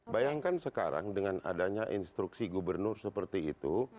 bayangkan sekarang dengan adanya instruksi gubernur seperti itu